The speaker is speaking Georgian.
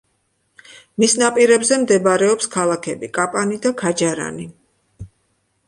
მის ნაპირებზე მდებარეობს ქალაქები: კაპანი და ქაჯარანი.